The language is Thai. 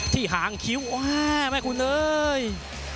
ที่หางคิ้วไม่คุณเอิ้ง